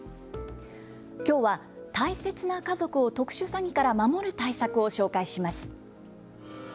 きょうは大切な家族を特殊詐欺から守る対策を紹介します。